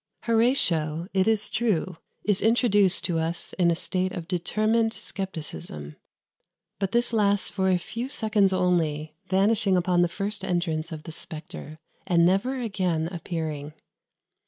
Horatio, it is true, is introduced to us in a state of determined scepticism; but this lasts for a few seconds only, vanishing upon the first entrance of the spectre, and never again appearing.